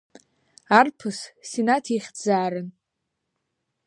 Арԥыс Синаҭ ихьӡзаарын.